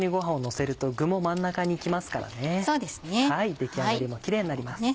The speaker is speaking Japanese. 出来上がりもキレイになります。